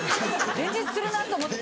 連日つるなと思って。